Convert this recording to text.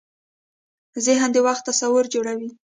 ذهن د وخت تصور جوړوي.